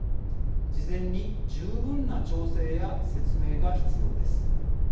事前に十分な調整や説明が必要です。